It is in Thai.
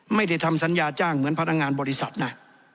ไม่ได้ทำสัญญาจ้างเหมือนพนักงานบริษัทนะ